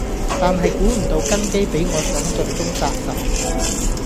但係估唔到根基比我想像中紮實